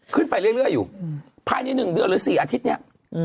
ขึ้นไปเรื่อยอยู่ภายใน๑เดือนหรือ๔อาทิตย์นี้